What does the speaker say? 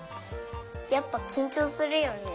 やっぱきんちょうするよね。